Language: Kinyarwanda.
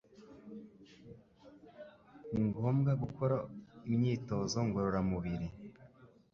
Ni ngombwa gukora imyitozo ngororamubiri